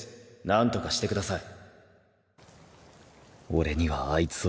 なんとかしてください